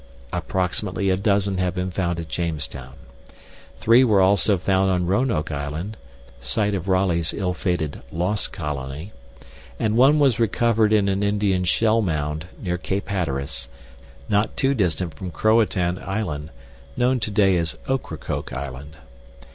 Approximately a dozen have been found at Jamestown. Three were also found on Roanoke Island (site of Raleigh's ill fated "Lost Colony") and one was recovered in an Indian shell mound near Cape Hatteras, not too distant from Croatoan Island (known today as Ocracoke Island).